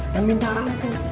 dan minta ampun